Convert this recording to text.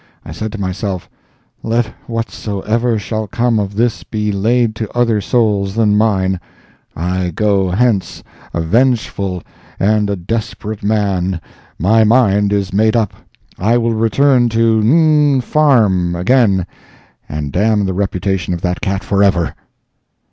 I said to myself, "Let whatsoever shall come of this be laid to other souls than mine. I go hence a vengeful and a desperate man. My mind is made up. I will return to 'N____ Farm' again, and damn the reputation of that cat forever."